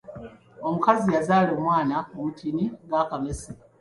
Omukazi yazaala omwana omutini ng’akamese.